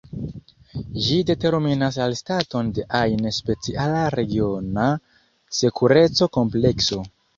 Ĝi determinas la staton de ajn speciala regiona sekureco-komplekso.